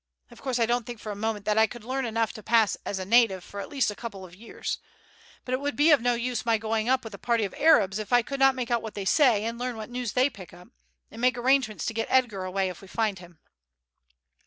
Of course I don't think for a moment that I could learn enough to pass as a native for at least a couple of years; but it would be of no use my going up with a party of Arabs if I could not make out what they say and learn what news they pick up, and make arrangements to get Edgar away if we find him."